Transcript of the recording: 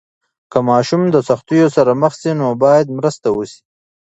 که ماشوم د سختیو سره مخ سي، نو باید مرسته وسي.